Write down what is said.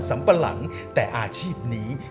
ปะหลังแต่อาชีพนี้